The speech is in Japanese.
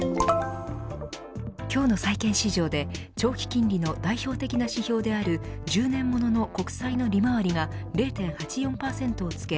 今日の債券市場で、長期金利の代表的な指標である１０年物の国債の利回りが０．８４％をつけ